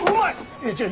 いや違う。